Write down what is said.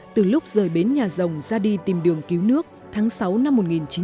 từ lúc rời bến nhà rồng ra đi tìm đường cứu nước tháng sáu năm một nghìn chín trăm bảy mươi năm